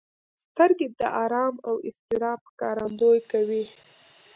سترګې د ارام او اضطراب ښکارندويي کوي